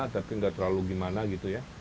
tapi nggak terlalu gimana gitu ya